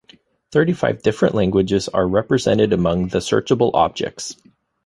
Thirty five different languages are represented among the searchable objects.